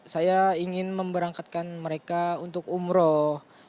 saya ingin memberangkatkan mereka untuk umroh